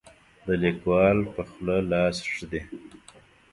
د لیکوال په خوله لاس ږدي.